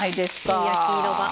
いい焼き色が。